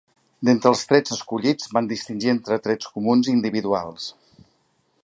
D'entre els trets escollits, van distingir entre trets comuns i individuals.